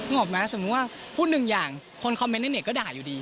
ออกไหมสมมุติว่าพูดหนึ่งอย่างคนคอมเมนต์ในเน็ตก็ด่าอยู่ดี